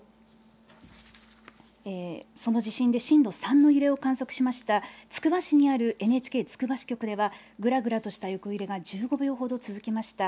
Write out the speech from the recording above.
その地震で震度３の揺れを観測しました、つくば市にあるＮＨＫつくば支局では、ぐらぐらとした横揺れが１５秒ほど続きました。